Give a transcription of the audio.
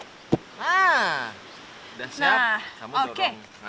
sudah siap kamu dorong